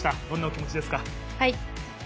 どんなお気持ちですか？